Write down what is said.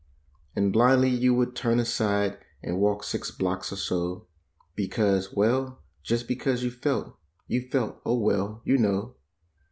And blindly you would turn aside and walk six blocks or so. Because—well, just because you felt— you felt—oh, well, YOU KNOW.